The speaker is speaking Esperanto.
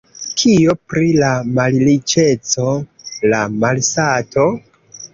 Kio pri la malriĉeco, la malsato?